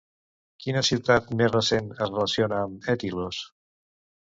Quina ciutat més recent es relaciona amb Etilos?